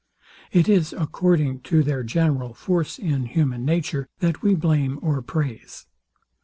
It is according to their general force in human nature, that we blame or praise.